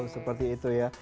seperti itu ya